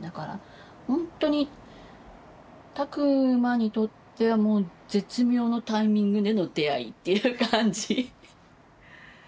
だからほんとに拓万にとっても絶妙のタイミングでの出会いっていう感じ。